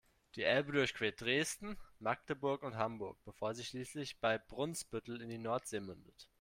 Die Elbe durchquert Dresden, Magdeburg und Hamburg, bevor sie schließlich bei Brunsbüttel in die Nordsee mündet.